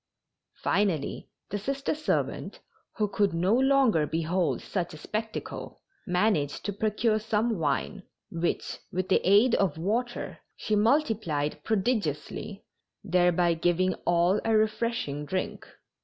Finally the Sister servant, who could no longer behold such a spectacle, managed to procure some wine, which, with the aid of water, she multiplied prodigiously, thereby giving all a refreshing drink.